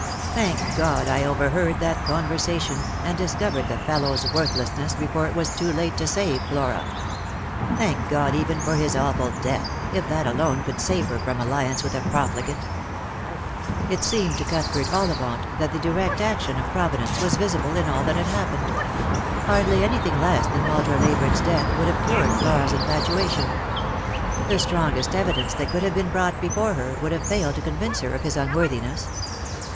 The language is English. Thank God I overheard that conversation, and dis covered the fellow's worthlessness before it was too late to save Flora ! Thank God even for his awful death, if that alone could save her from alliance with a profligate," It seemed to Cuthbert Ollivant that the direct action of Pro vidence was visible in all that had happened. Hardly anything less than Walter Leyburne's death would have cured Flora's infatuation. The strongest evidence that could have been brought before her would have failed to convince her of his unworthiness.